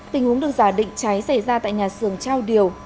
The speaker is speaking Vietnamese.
tình huống được giả định cháy xảy ra tại nhà xưởng trao điều